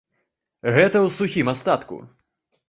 Гэта ў сухім астатку.